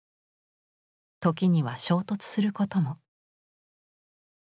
時には衝突することも。